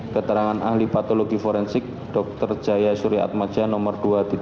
keterangan ahli patologi forensik dr jaya surya atmaja nomor dua ratus tiga puluh